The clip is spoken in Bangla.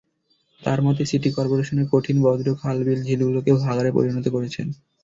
তাঁর মতে, সিটি করপোরেশনের কঠিন বর্জ্য খাল, বিল, ঝিলগুলোকে ভাগাড়ে পরিণত করেছে।